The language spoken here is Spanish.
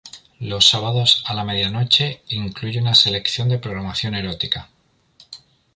Los sábados a la medianoche, incluye una selección de programación erótica.